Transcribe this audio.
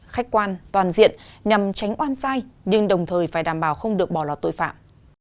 khách quan toàn diện nhằm tránh oan sai nhưng đồng thời phải đảm bảo không được bỏ lọt tội phạm